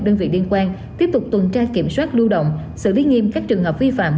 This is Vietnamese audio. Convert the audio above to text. đơn vị liên quan tiếp tục tuần tra kiểm soát lưu động xử lý nghiêm các trường hợp vi phạm